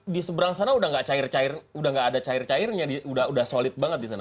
di seberang sana sudah enggak ada cair cairnya sudah solid banget di sana